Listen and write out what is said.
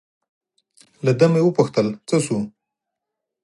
له ده مې و پوښتل: څه شو؟